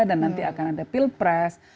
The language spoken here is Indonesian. dan nanti akan ada pilpres